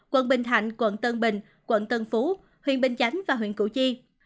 quận bình thạnh quận tân bình quận tân phú huyện bình chánh và huyện củ chi